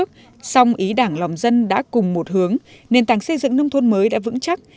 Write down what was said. vì đảng lòng dân đã cùng một hướng nền tảng xây dựng nông thôn mới đã vững chắc